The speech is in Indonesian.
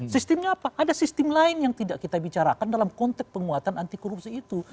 sistemnya apa ada sistem lain yang tidak kita bicarakan dalam konteks penguatan anti korupsi itu